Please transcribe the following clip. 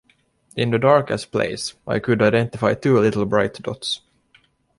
In the darkest place, I could identify two little bright dots.